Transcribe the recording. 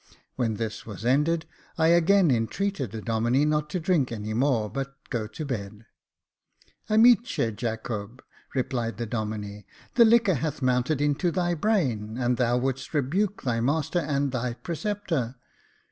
When this was ended, I again entreated the Domine not to drink any more, but go to bed. '^ Amice Jacohe^'' replied the Domine ; "the liquor hath mounted into thy brain, and thou wouldst rebuke thy master and thy preceptor.